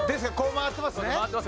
回ってますよね。